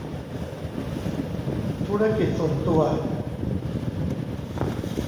ธุรกิจส่วนตัว